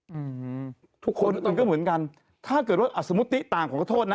อืมทุกคนก็เหมือนกันถ้าเกิดว่าอ่ะสมมติต่างของทศโฆษณ์นะ